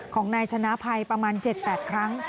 ของนายชนะภัยประมาณ๗๘ครั้ง